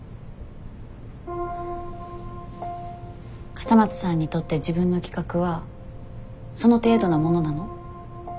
笠松さんにとって自分の企画はその程度なものなの？